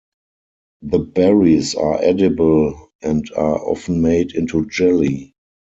The berries are edible and are often made into jelly.